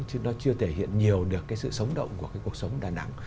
chứ nó chưa thể hiện nhiều được sự sống động của cuộc sống đà nẵng